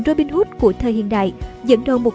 robin hood của thời hiện đại dẫn đầu một